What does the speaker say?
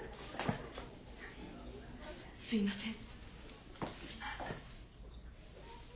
すいません。